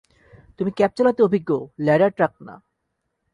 তুমি ক্যাব চালাতে অভিজ্ঞ, ল্যাডার ট্রাক না।